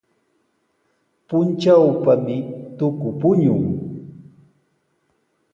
Puntrawpami tuku puñun.